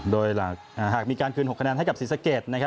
โดยหลักหากมีการคืน๖คะแนนให้กับซีซะเกจ